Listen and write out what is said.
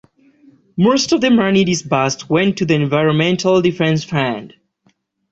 Most of the money disbursed went to the Environmental Defense Fund.